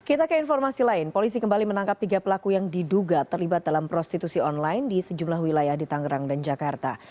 kita ke informasi lain polisi kembali menangkap tiga pelaku yang diduga terlibat dalam prostitusi online di sejumlah wilayah di tangerang dan jakarta